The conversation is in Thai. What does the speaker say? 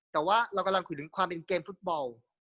แต่ว่าเรากำลังคุยถึงความเป็นเกมฟุตบอล